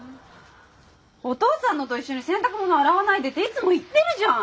お父さんのと一緒に洗濯物洗わないでっていつも言ってるじゃん！